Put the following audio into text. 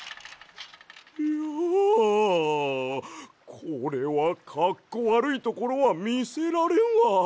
ひゃこれはかっこわるいところはみせられんわ。